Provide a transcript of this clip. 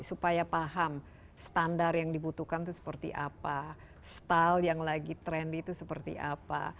supaya paham standar yang dibutuhkan itu seperti apa style yang lagi trendy itu seperti apa